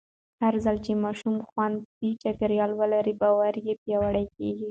هرځل چې ماشومان خوندي چاپېریال ولري، باور یې پیاوړی کېږي.